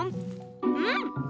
うん！